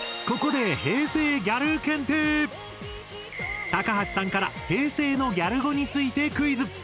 ここで高橋さんから平成のギャル語についてクイズ！